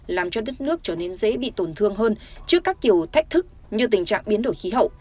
làm cho đất nước trở nên dễ bị tổn thương hơn trước các kiểu thách thức như tình trạng biến đổi khí hậu